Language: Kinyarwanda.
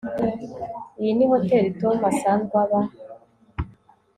iyi ni hoteri tom asanzwe aba